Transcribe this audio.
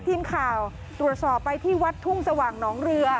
ทีมข่าวตรวจสอบไปที่วัดทุ่งสว่างหนองเรือ